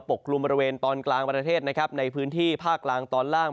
กลุ่มบริเวณตอนกลางประเทศนะครับในพื้นที่ภาคกลางตอนล่าง